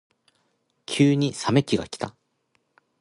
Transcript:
急に冷め期がきた。